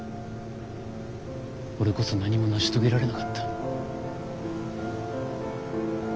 俺こそ何も成し遂げられなかった。